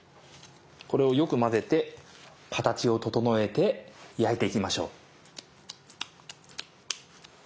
これをよく混ぜて形を整えて焼いていきましょう。